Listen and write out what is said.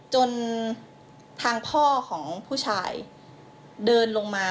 จนทางพ่อของผู้ชายเดินลงมา